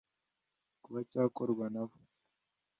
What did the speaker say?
Kuba cyakorwa na bo